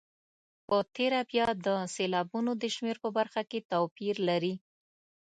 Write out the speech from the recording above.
په تېره بیا د سېلابونو د شمېر په برخه کې توپیر لري.